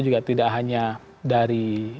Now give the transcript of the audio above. juga tidak hanya dari